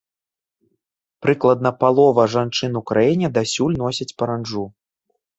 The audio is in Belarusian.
Прыкладна палова жанчын у краіне дасюль носяць паранджу.